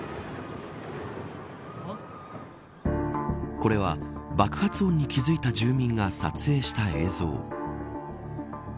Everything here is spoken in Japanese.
これは、爆発音に気付いた住民が撮影した映像。